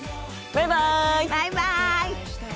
バイバイ！